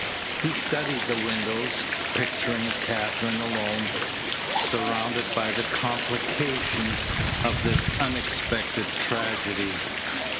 He studied the windows, picturing Katherine alone, surrounded by the complications of this unexpected tragedy.